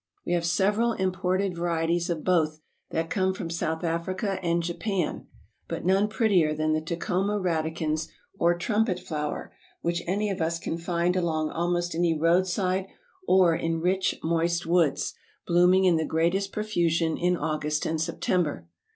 We have several imported varieties of both, that come from South Africa and Japan, but none prettier than the Tecoma radicans or Trumpet Flower, which any of us can find along almost any roadside or in rich, moist woods, blooming in the greatest profusion in August and September.